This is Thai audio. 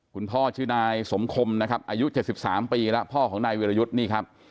พ่อชื่อนายสมคมนะครับอายุ๗๓ปีแล้วพ่อของนายวิรยุทธ์นี่ครับ